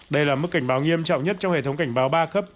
đây là mức cảnh báo nghiêm trọng nhất trong hệ thống cảnh báo ba cấp